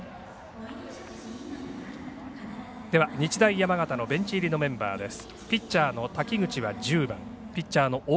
日大山形のベンチ入りのメンバーです。